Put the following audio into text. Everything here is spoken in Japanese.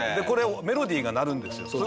これメロディーが鳴るんですよ。